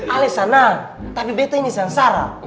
alesana tapi beta ini sengsara